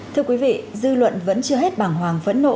thưa quý vị dư luận vẫn chưa hết bảng hoàng phẫn nộ